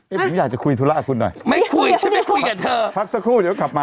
ผมอยากจะคุยธุระคุณหน่อยไม่คุยฉันไม่คุยกับเธอพักสักครู่เดี๋ยวกลับมา